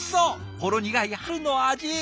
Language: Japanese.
ほろ苦い春の味。